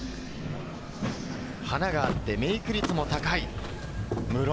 華があってメイク率も高い。